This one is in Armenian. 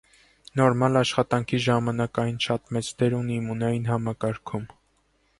Նորմալ աշխատանքի ժամանակ այն շատ մեծ դեր ունի իմունային համակարգում։